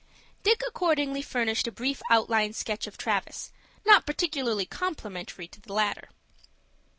Dick accordingly furnished a brief outline sketch of Travis, not particularly complimentary to the latter.